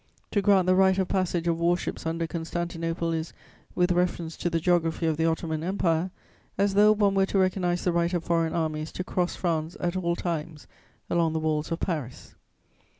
To grant the right of passage of warships under Constantinople is, with reference to the geography of the Ottoman Empire, as though one were to recognise the right of foreign armies to cross France at all times along the walls of Paris.